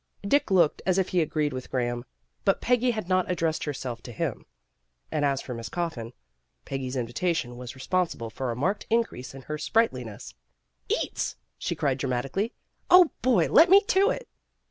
Dick looked as if he agreed with Graham, but Peggy had not addressed herself to him. And as for Miss Coffin, Peggy's invitation was re sponsible for a marked increase in her spright THE CURE 221 liness. "Eats!" she cried dramatically, "Oh, boy! Lead me to it!"